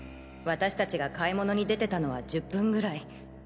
私達が買い物に出てたのは１０分ぐらい。